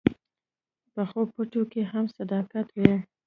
پخو پټو کې هم صداقت وي